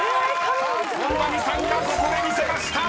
［本並さんがここで見せました！］